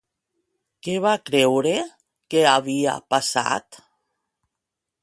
Què va creure que havia passat?